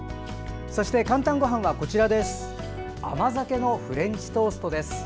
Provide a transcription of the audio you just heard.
「かんたんごはん」は甘酒のフレンチトーストです。